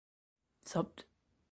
Supt.